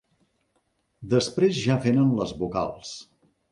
Després ja vénen les vocals.